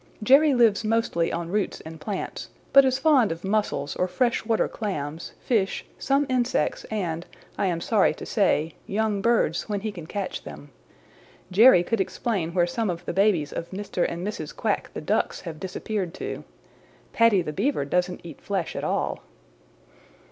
"Jerry lives mostly on roots and plants, but is fond of mussels or fresh water clams, fish, some insects and, I am sorry to say, young birds when he can catch them. Jerry could explain where some of the babies of Mr. And Mrs. Quack the Ducks have disappeared to. Paddy the Beaver doesn't eat flesh at all.